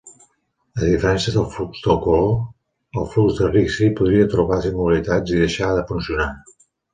A diferència del flux de calor, el flux de Ricci podria trobar singularitats i deixar de funcionar.